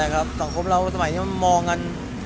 สังคมเราสมัยนี้มันมองกัน